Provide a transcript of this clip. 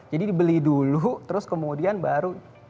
jadi dibeli dulu terus kemudian baru